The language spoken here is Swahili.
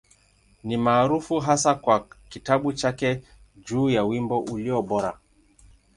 Ni maarufu hasa kwa kitabu chake juu ya Wimbo Ulio Bora.